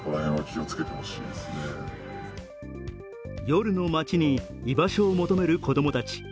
夜の街に居場所を求める子供たち。